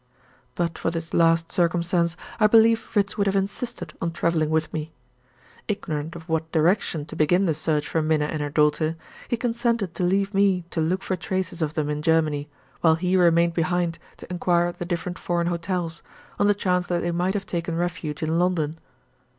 But for this last circumstance, I believe Fritz would have insisted on traveling with me. Ignorant of what direction to begin the search for Minna and her mother, he consented to leave me to look for traces of them in Germany, while he remained behind to inquire at the different foreign hotels, on the chance that they might have taken refuge in London.